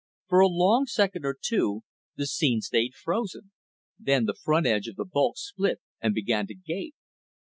For a long second or two the scene stayed frozen. Then the front edge of the bulk split and began to gape.